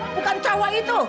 bukan cowok itu